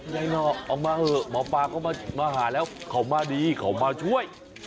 หน่อเอามาเถอะหมอปลาก็มาหาแล้วเขามาดีเขามาช่วย